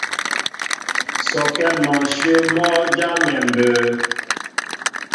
Sɔkɛ mɔnshyə̂ mɔ́ jámɛ mbə̌.